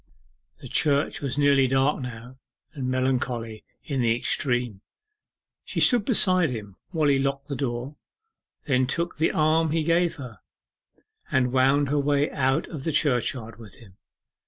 The church was nearly dark now, and melancholy in the extreme. She stood beside him while he locked the door, then took the arm he gave her, and wound her way out of the churchyard with him.